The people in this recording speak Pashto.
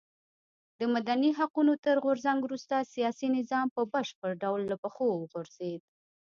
د مدني حقونو تر غورځنګ وروسته سیاسي نظام په بشپړ ډول له پښو وغورځېد.